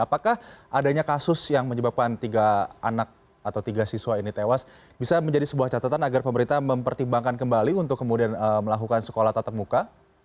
apakah adanya kasus yang menyebabkan tiga anak atau tiga siswa ini tewas bisa menjadi sebuah catatan agar pemerintah mempertimbangkan kembali untuk kemudian melakukan sekolah tatap muka